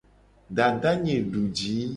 Dadanye duji.